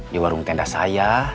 di warung tenda saya